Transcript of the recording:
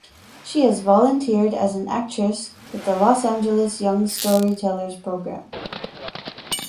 She has volunteered as an actress with the Los Angeles Young Storytellers Program.